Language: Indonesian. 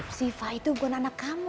afif sih siva itu buat anak kamu